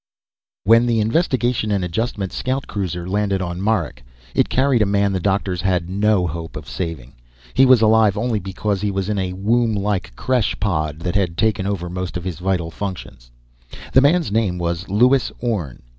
_ When the Investigation & Adjustment scout cruiser landed on Marak it carried a man the doctors had no hope of saving. He was alive only because he was in a womblike creche pod that had taken over most of his vital functions. The man's name was Lewis Orne.